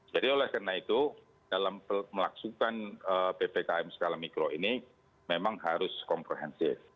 jadi oleh karena itu dalam melaksukan ppkm skala mikro ini memang harus komprehensif